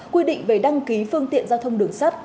quy định về đăng ký phương tiện giao thông đường sắt